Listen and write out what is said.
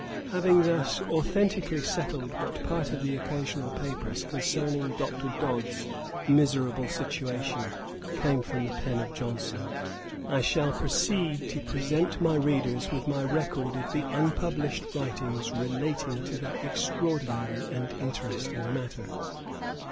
Having thus authentically settled what part of the Occasional Papers, concerning Dr. Dodd's miserable situation, came from the pen of Johnson, I shall proceed to present my readers with my record of the unpublished writings relating to that extraordinary and interesting matter.